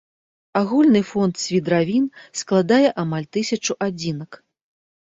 Агульны фонд свідравін складае амаль тысячу адзінак.